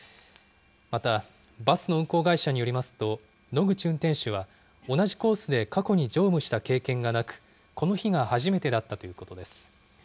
また、バスの運行会社によりますと、野口運転手は、同じコースで過去に乗務した経験がなく、この日が初めてだったということです。